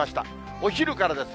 お昼からです。